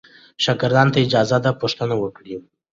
شاګرد ته اجازه ده پوښتنه وکړي.